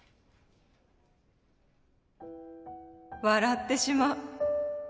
「笑ってしまう」